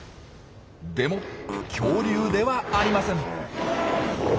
でも恐竜ではありません。